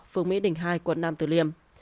phường mỹ đình hai quận nam tử liêm